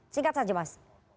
singkat saja mas